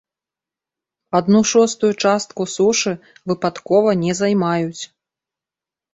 Адну шостую частку сушы выпадкова не займаюць.